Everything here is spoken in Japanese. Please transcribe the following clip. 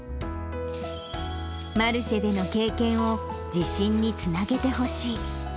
マルシェでの経験を自信につなげてほしい。